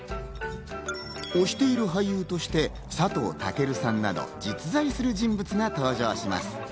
推している俳優として佐藤健さんなど、実在する人物が登場します。